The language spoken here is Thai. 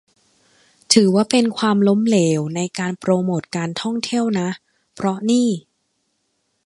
ถือว่าเป็นความล้มเหลวในการโปรโมทการท่องเที่ยวนะ เพราะนี่